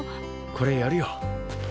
これやるよ。